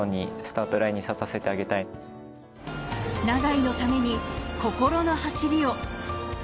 永井のために心の走りを。